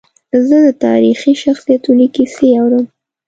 زه د تاریخي شخصیتونو کیسې اورم.